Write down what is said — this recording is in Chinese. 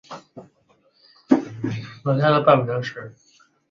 征服沙姆阵线对伊德利卜省郊区一处圣战者军总部的进攻被沙姆军团击退。